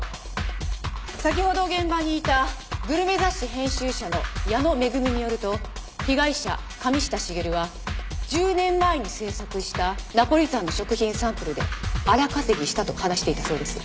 先ほど現場にいたグルメ雑誌編集者の矢野恵によると被害者神下茂は１０年前に制作したナポリタンの食品サンプルで荒稼ぎしたと話していたそうです。